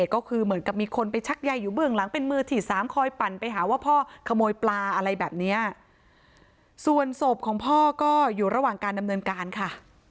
ก็อยู่ระหว่างการดำเนินการค่ะ